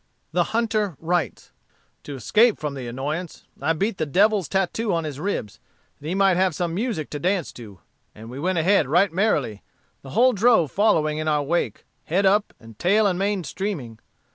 The hunter writes: "To escape from the annoyance, I beat the devil's tattoo on his ribs, that he might have some music to dance to, and we went ahead right merrily, the whole drove following in our wake, head up, and tail and mane streaming.